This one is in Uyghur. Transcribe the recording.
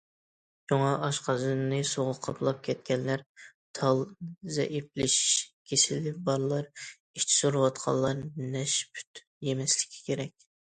شۇڭا ئاشقازىنىنى سوغۇق قاپلاپ كەتكەنلەر، تال زەئىپلىشىش كېسىلى بارلار، ئىچى سۈرۈۋاتقانلار نەشپۈت يېمەسلىكى كېرەك.